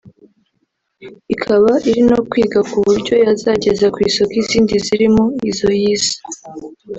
Ikaba iri no kwiga ku buryo yazageza ku isoko izindi zirimo izo yise